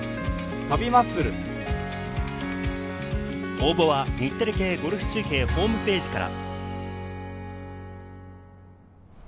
応募は日テレ系ゴルフ中継ホームページから。